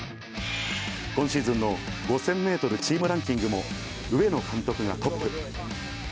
今シーズンの５０００メートルチームランキングも上野監督がトップ。